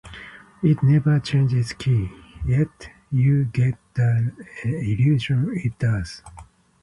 It never changes key, yet you get the illusion it does.